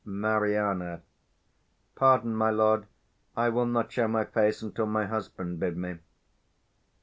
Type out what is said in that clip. Mari. Pardon, my lord; I will not show my face Until my husband bid me.